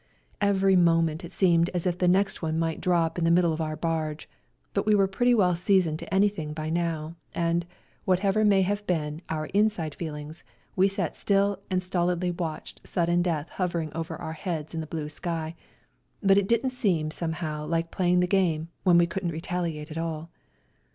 Every moment it seemed as if the next one must drop in the middle of our barge, but we were pretty well seasoned to anything by now, and, what ever may have been our inside feelings, we sat still and stolidly watched sudden death hovering over our heads in the blue sky, but it didn't seem somehow like playing the game when we couldn't retaliate at all.